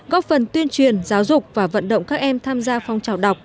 góp phần tuyên truyền giáo dục và vận động các em tham gia phong trào đọc